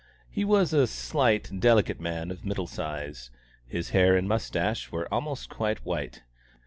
He was a slight, delicate man of middle size. His hair and moustache were almost quite white.